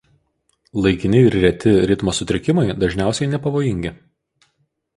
Laikini ir reti ritmo sutrikimai dažniausiai nepavojingi.